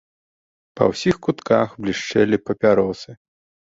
Па ўсіх кутках блішчэлі папяросы.